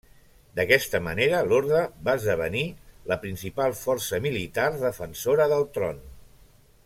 D'aquesta manera l'orde va esdevenir la principal força militar defensora del tron.